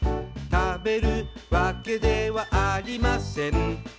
「食べるわけではありません」